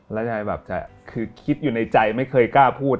แล้วยายแบบจะคือคิดอยู่ในใจไม่เคยกล้าพูด